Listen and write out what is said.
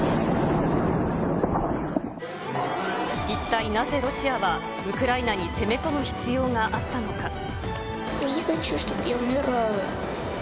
一体なぜロシアは、ウクライナに攻め込む必要があったのか。